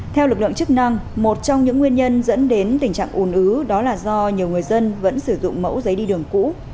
theo lực lượng chức năng một trong những nguyên nhân dẫn đến tình trạng ủn ứ đó là do nhiều người dân vẫn sử dụng mẫu giấy đi đường cũ